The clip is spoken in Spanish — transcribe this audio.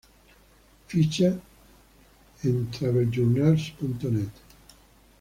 Ficha en traveljournals.net